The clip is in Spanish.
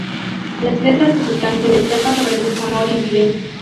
Las letras de sus canciones tratan sobre desamor y vivencias.